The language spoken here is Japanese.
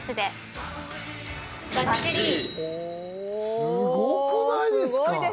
すごくないですか？